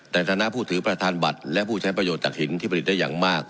ในฐานะผู้ถือประธานบัตรและผู้ใช้ประโยชนจากหินที่ผลิตได้อย่างมาก